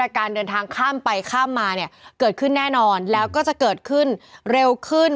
การเดินทางข้ามไปข้ามมาเนี่ยเกิดขึ้นแน่นอนแล้วก็จะเกิดขึ้นเร็วขึ้น